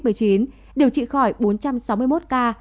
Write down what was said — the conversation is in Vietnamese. điều trị khỏi bốn trăm sáu mươi một ca